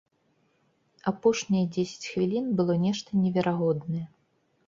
Апошнія дзесяць хвілін было нешта неверагоднае.